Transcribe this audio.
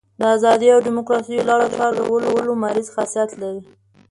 د ازادۍ او ډیموکراسۍ لارو چارو د کږولو مریض خاصیت لري.